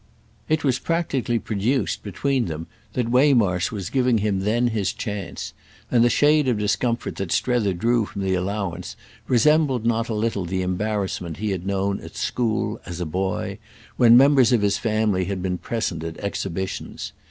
It was practically produced between them that Waymarsh was giving him then his chance; and the shade of discomfort that Strether drew from the allowance resembled not a little the embarrassment he had known at school, as a boy, when members of his family had been present at exhibitions.